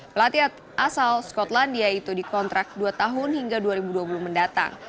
pelatih asal skotlandia itu dikontrak dua tahun hingga dua ribu dua puluh mendatang